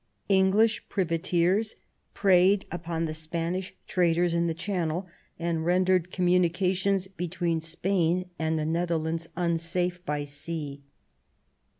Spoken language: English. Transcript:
English privateers preyed upon the Spanish traders in the Channel, and rendered communications between Spain and the Netherlands unsafe by sea.